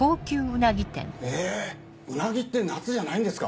えぇウナギって夏じゃないんですか？